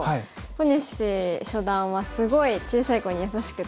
小西初段はすごい小さい子に優しくて。